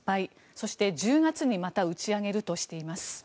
そして、１０月にまた打ち上げるとしています。